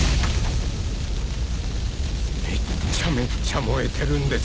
めっちゃめっちゃ燃えてるんですけど。